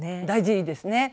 大事ですね。